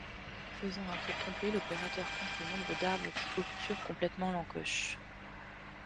Faisant un tour complet l'opérateur compte le nombre d'arbres qui obturent complètement l'encoche.